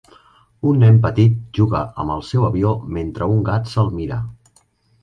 Un nen petit juga amb el seu avió mentre un gat se'l mira